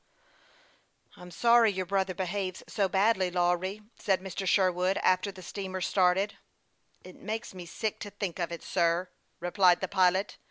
" I'm sorry your brother behaves so badly, Lawry," said Mr. Sherwood, entering the wheel house, when the steamer started. " It makes me sick to think of it, sir," replied the pilot.